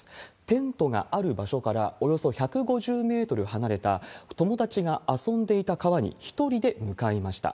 テントがある場所からおよそ１５０メートル離れた、友達が遊んでいた川に１人で向かいました。